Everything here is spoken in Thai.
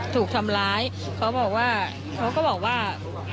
ถูกทำร้ายเค้าบอกว่า